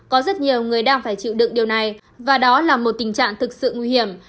có rất nhiều người đang phải chịu đựng điều này và đó là một tình trạng thực sự nguy hiểm